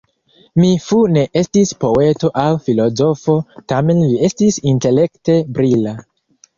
Mi Fu ne estis poeto aŭ filozofo, tamen li estis intelekte brila.